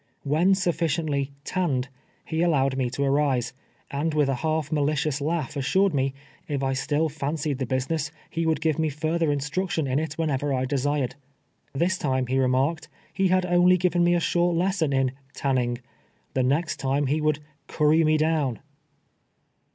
When sufficiently " tanned," he allowed me to arise, and with a half malicious laugh assured me, if I still fancied tlie busi ness, he W(juld give me further instruction in it when ever I desired. This time, he remarked, he had only given me a short lesson in " tayiniug "— the next time he would " curry me down."